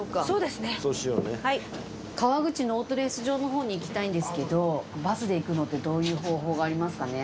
川口のオートレース場の方に行きたいんですけどバスで行くのってどういう方法がありますかね。